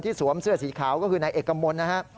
คนที่สวมเสื้อสีขาวก็คือนายเอกมนต์นะฮะ